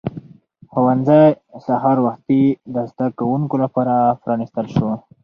ښوونځی سهار وختي د زده کوونکو لپاره پرانیستل شو